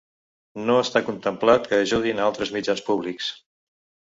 No està contemplat que ajudin a altres mitjans públics.